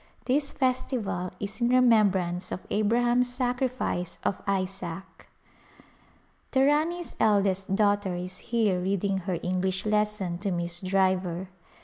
This festival is in remembrance of Abraham's sacrifice of Isaac. The Rani's eldest daughter is here reading her English lesson to Miss Driver.